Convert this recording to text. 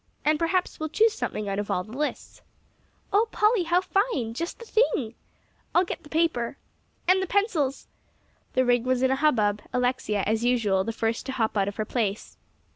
And perhaps we'll choose something out of all the lists." "Oh, Polly, how fine! just the thing." "I'll get the paper." "And the pencils." The ring was in a hubbub; Alexia, as usual, the first to hop out of her place.